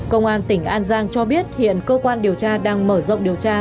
công an tỉnh an giang cho biết hiện cơ quan điều tra đang mở rộng điều tra